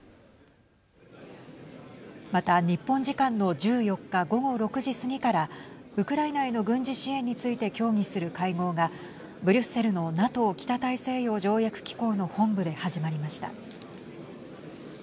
また、日本時間の１４日、午後６時過ぎからウクライナへの軍事支援について協議する会合がブリュッセルのＮＡＴＯ＝北大西洋条約機構の本部で始まりました。